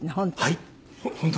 はい。